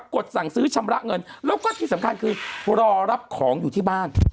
กดสั่งซื้อชำระเงินแล้วก็ที่สำคัญคือรอรับของอยู่ที่บ้าน